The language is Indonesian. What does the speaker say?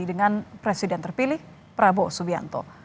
dengan presiden terpilih prabowo subianto